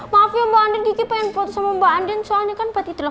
maaf ya mbak andin kiki pengen foto sama mbak andin soalnya kan buat itu lah